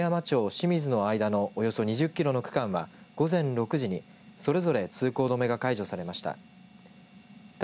清水の間のおよそ２０キロの区間は午前６時にそれぞれ通行止めが解除されました。